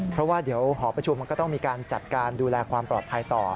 เพราะว่าเดี๋ยวหอประชุมมันก็ต้องมีการจัดการดูแลความปลอดภัยต่อ